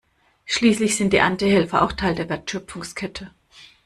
Schließlich sind die Erntehelfer auch Teil der Wertschöpfungskette.